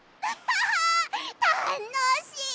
たのしい！